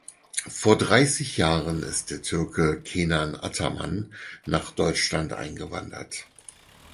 Vor dreißig Jahren ist der Türke Kenan Ataman nach Deutschland eingewandert.